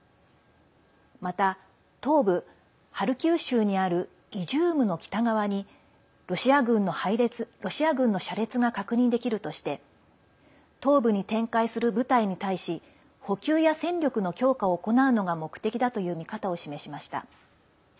また、東部ハルキウ州にあるイジュームの北側にロシア軍の車列が確認できるとして東部に展開する部隊に対し補給や戦力の強化を行うのが目的だという見方を示しました。